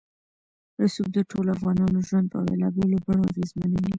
رسوب د ټولو افغانانو ژوند په بېلابېلو بڼو اغېزمنوي.